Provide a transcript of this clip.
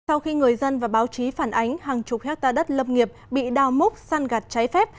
sau khi người dân và báo chí phản ánh hàng chục hectare đất lâm nghiệp bị đào múc săn gạt trái phép